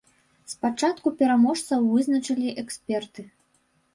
Спачатку пераможцаў вызначалі эксперты.